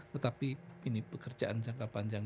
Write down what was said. tetapi ini pekerjaan jangka panjang